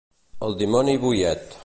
El dimoni boiet.